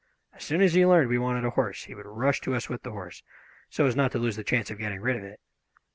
As soon as he learned we wanted a horse he would rush to us with the horse, so as not to lose the chance of getting rid of it.